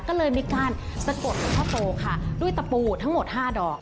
ก็เลยมีการสะกดหลวงพ่อโตค่ะด้วยตะปูทั้งหมด๕ดอก